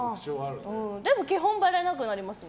でも基本ばれなくなります。